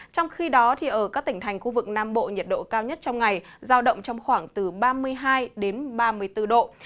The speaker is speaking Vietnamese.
trong khi đó ở các tỉnh thành khu vực nam bộ nhiệt độ cao nhất trong ngày giao động trong khoảng từ ba mươi hai đến ba mươi bốn độ